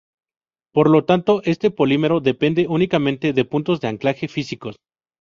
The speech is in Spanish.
Por lo tanto este polímero depende únicamente de puntos de anclaje físicos.